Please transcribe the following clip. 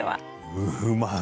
うまい。